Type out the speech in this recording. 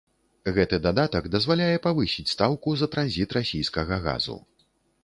Гэты дадатак дазваляе павысіць стаўку за транзіт расійскага газу.